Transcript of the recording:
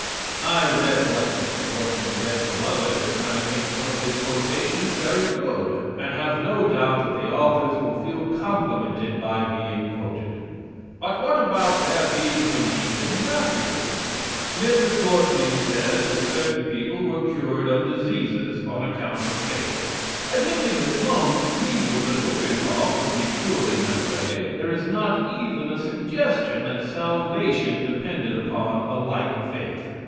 "I read what Mr. Courtney read from others, and think some of his quotations very good; and have no doubt that the authors will feel complimented by being quoted." "But what about there being belief in Matthew?" "Mr. Courtney says that certain people were cured of diseases on account of faith. Admitting that mumps, measles, and whooping cough could be cured in that way, there is not even a suggestion that salvation depended upon a like faith.